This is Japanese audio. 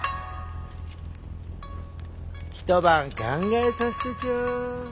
一晩考えさせてちょう。